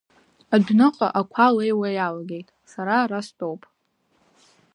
Адәныҟа ақәа леиуа иалагеит, сара ара стәоуп.